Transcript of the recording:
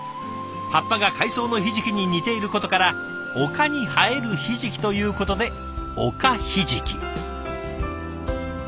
葉っぱが海藻のひじきに似ていることから「おかに生えるひじき」ということでおかひじき。